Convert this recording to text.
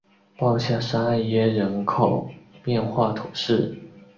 鲍下沙艾耶人口变化图示